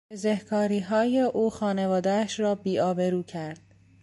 بزهکاریهای او خانوادهاش را بیآبرو کرد.